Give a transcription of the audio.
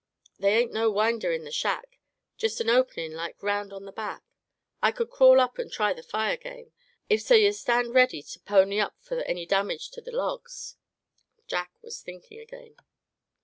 They ain't no winder in the shack, jest a openin' like round on the back. I cud crawl up and try the fire game, if so yuh stand ready tuh pony up fur any damage tuh the logs." Jack was thinking again.